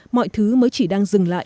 mọi thứ mới chỉ đang dừng lại